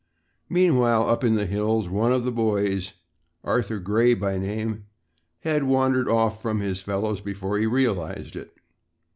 Meanwhile, up in the hills, one of the boys, Arthur Gray by name, had wandered way off from his fellows before he realized it.